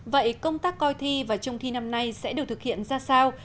vậy công tác coi thi và trông thi năm nay sẽ được thực hiện ra sao